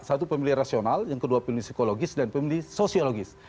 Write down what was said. satu pemilih rasional yang kedua pemilih psikologis dan pemilih sosiologis